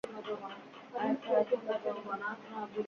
আমি স্কুলে তিনবার ফেলও করছি।